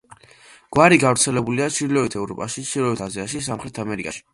გვარი გავრცელებულია ჩრდილოეთ ევროპაში, ჩრდილოეთ აზიაში, სამხრეთ ამერიკაში.